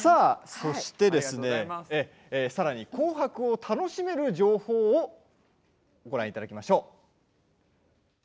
そしてさらに「紅白」を楽しめる情報ご覧いただきましょう。